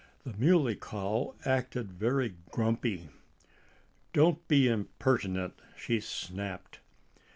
The Muley Cow acted very grumpy. "Don't be impertinent!" she snapped.